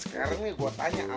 sekarang nih gue tanya amin dulu